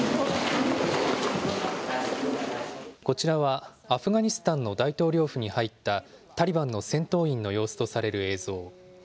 こちらはアフガニスタンの大統領府に入ったタリバンの戦闘員の様子とされる映像。